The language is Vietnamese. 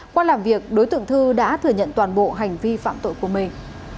qua làm việc đối tượng thư đã thừa nhận toàn bộ hành vi phạm tội của mình